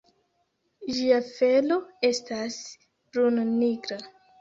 Ĝia felo estas brun-nigra.